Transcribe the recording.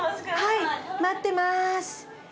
はい待ってます。